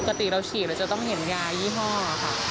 ปกติเราฉีดเราจะต้องเห็นยายี่ห้อค่ะ